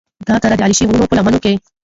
دا دره د علیشي د غرونو په لمنو کې